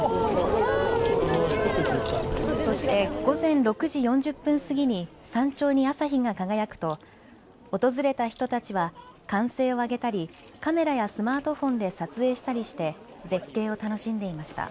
そして午前６時４０分過ぎに山頂に朝日が輝くと訪れた人たちは歓声を上げたりカメラやスマートフォンで撮影したりして絶景を楽しんでいました。